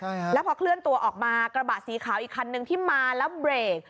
ใช่แล้วพอเคลื่อนตัวออกมากระบะสีขาวอีกคันนึงที่มาแล้วเบรก